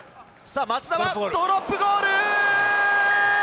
松田はドロップゴール！